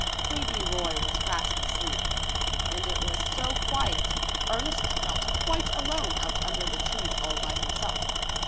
Baby Roy was fast asleep, and it was so quiet Ernest felt quite alone out under the trees all by himself.